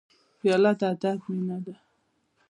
پیاله د ادب مینه ده.